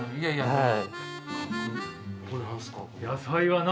はい。